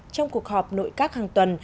trong cuộc họp nội các hàng tuần